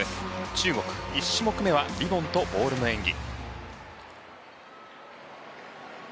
中国、１種目めはリボンとボールの演技。